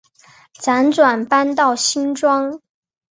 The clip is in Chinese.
辗转搬到新庄